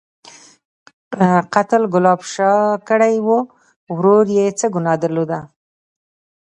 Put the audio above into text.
_قتل ګلاب شاه کړی و، ورور يې څه ګناه درلوده؟